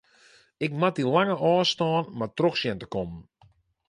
Ik moat dy lange ôfstân mar troch sjen te kommen.